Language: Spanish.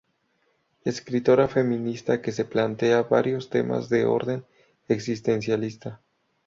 Escritora feminista que se plantea varios temas de orden existencialista.